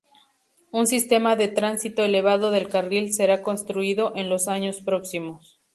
Un sistema de tránsito elevado del carril será construido en los años próximos.